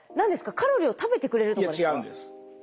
カロリーを食べてくれるとかですか？